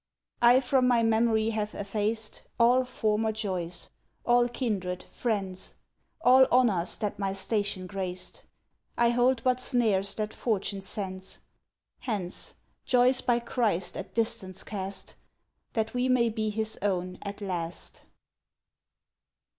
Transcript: I from my memory have effaced All former joys, all kindred, friends; All honors that my station graced I hold but snares that fortune sends: Hence! joys by Christ at distance cast, That we may be his own at last!